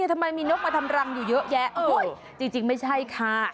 ทำไมมีนกมาทำรังอยู่เยอะแยะจริงไม่ใช่ค่ะ